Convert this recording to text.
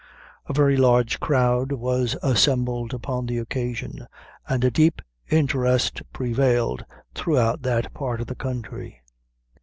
A very large crowd was assembled upon the occasion, and a deep interest prevailed throughout that part of the country.